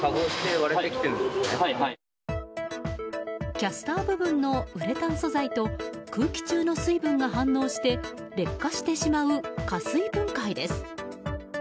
キャスター部分のウレタン素材と空気中の水分が反応して劣化してしまう加水分解です。